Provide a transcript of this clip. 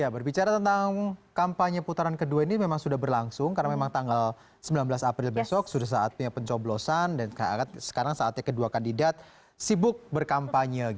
berbicara tentang kampanye putaran kedua ini memang sudah berlangsung karena memang tanggal sembilan belas april besok sudah saatnya pencoblosan dan sekarang saatnya kedua kandidat sibuk berkampanye